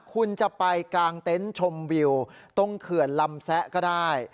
คุณจะไปกางเต็นต์ชมวิวตรงเขื่อนลำแซะก็ได้